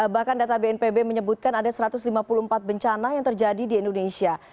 bahkan data bnpb menyebutkan ada satu ratus lima puluh empat bencana yang terjadi di indonesia